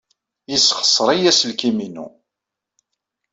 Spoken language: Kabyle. Yessexṣer-iyi aselkim-inu.